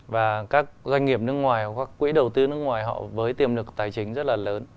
và các doanh nghiệp nước ngoài các quỹ đầu tư nước ngoài họ với tiềm lực tài chính rất là lớn